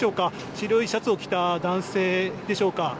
白いシャツを着た男性でしょうか。